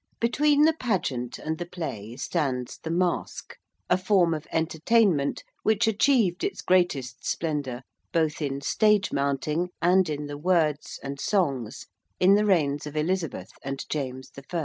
Between the Pageant and the Play stands the Masque, a form of entertainment which achieved its greatest splendour both in stage mounting and in the words and songs in the reigns of Elizabeth and James I.